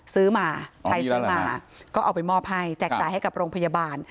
ซื้อมาไปซื้อมาก็เอาไปมอบให้แจกจ่ายให้กับโรงพยาบาล